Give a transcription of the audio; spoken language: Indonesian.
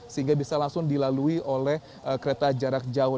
sehingga bisa langsung dilalui oleh kereta jarak jauh